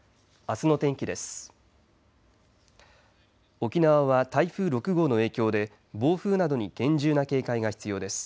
沖縄は台風６号の影響で暴風などに厳重な警戒が必要です。